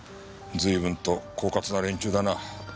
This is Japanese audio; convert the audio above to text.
随分と狡猾な連中だな。